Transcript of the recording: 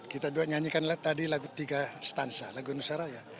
kita doa nyanyikan tadi lagu tiga stansa lagu indonesia raya